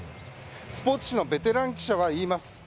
スポーツ紙のベテラン記者は言います。